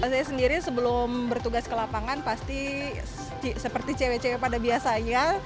saya sendiri sebelum bertugas ke lapangan pasti seperti cewek cewek pada biasanya